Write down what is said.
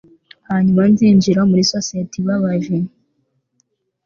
hanyuma nzinjira muri societe ibabaje